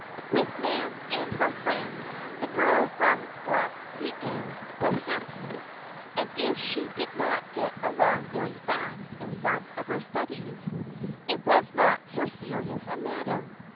With Nan and her friends, the girl from Wauhegan was happy; and if she did not get along very fast in some of her studies, it was not so serious a matter.